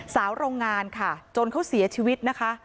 โรงงานค่ะจนเขาเสียชีวิตนะคะ